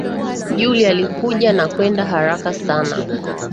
Julie alikuja na kwenda haraka sana